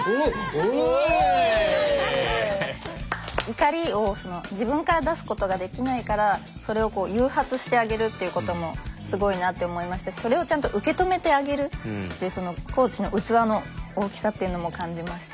怒りを自分から出すことができないからそれを誘発してあげるっていうこともすごいなって思いましたしそれをちゃんと受け止めてあげるってコーチの器の大きさっていうのも感じました。